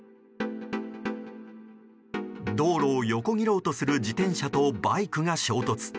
道路を横切ろうとする自転車とバイクが衝突。